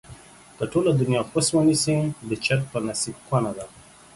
که ټوله دنياکوس ونسي ، د چرگ په نصيب کونه ده